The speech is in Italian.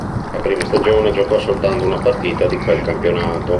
La prima stagione giocò soltanto una partita di quel campionato.